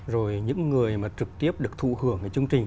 rồi những người mà trực tiếp được thụ hưởng cái chương trình